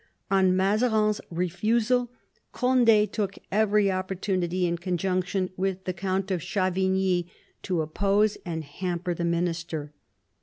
On Mazarin's refusal, Cond^ took every oppor tunity, in conjunction with the Count of Chavigny, to oppose and hamper the minister.